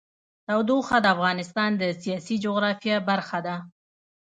تودوخه د افغانستان د سیاسي جغرافیه برخه ده.